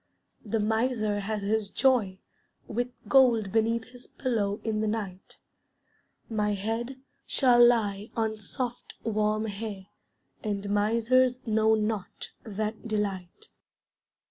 The miser has his joy, with gold Beneath his pillow in the night; My head shall lie on soft warm hair, And miser's know not that delight.